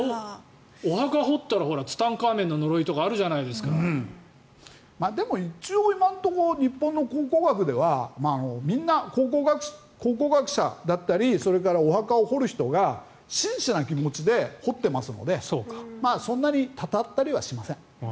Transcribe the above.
お墓を掘ったらツタンカーメンの呪いとか今のところ日本の考古学ではみんな考古学者だったりそれからお墓を掘る人が真摯な気持ちで掘ってますのでそんなに祟ったりはしません。